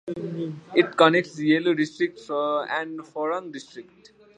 It connects Yuelu District and Furong District.